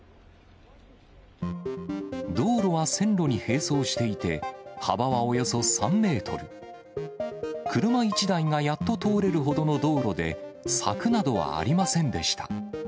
道路は線路に並走していて、幅はおよそ３メートル、車１台がやっと通れるほどの道路で、柵などはありませんでした。